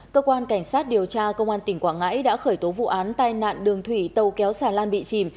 cơ quan cảnh sát điều tra công an tỉnh quảng ngãi đã khởi tố vụ án tai nạn đường thủy tàu kéo xà lan bị chìm